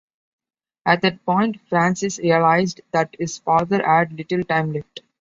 At that point, Francis realized that his father had little time left.